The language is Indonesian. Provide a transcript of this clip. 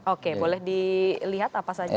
oke boleh dilihat apa saja